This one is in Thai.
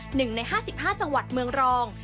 หนึ่งใน๕๕จังหวัดเมืองรอง